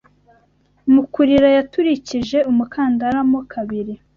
Mu kurira Yaturikije umukandara mo kabiri